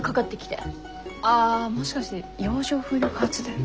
ああもしかして洋上風力発電の？